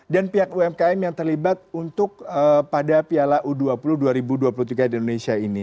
dan pihak umkm yang terlibat untuk pada piala u dua puluh dua ribu dua puluh tiga di indonesia ini